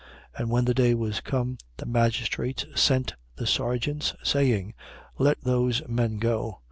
16:35. And when the day was come, the magistrates sent the serjeants, saying: Let those men go.